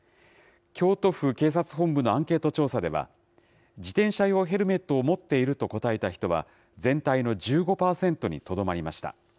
京都府警察本部のアンケート調査では、自転車用ヘルメットを持っていると答えた人は、全体の１５％にとどまりました。